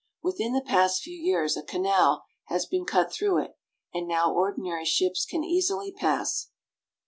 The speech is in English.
Within the past few years a canal has been cut through it, and now ordinary ships can easily pass.